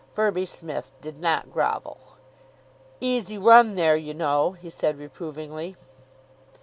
Firby Smith did not grovel. "Easy run there, you know," he said reprovingly.